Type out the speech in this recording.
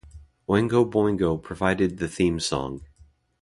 Oingo Boingo provided the theme song.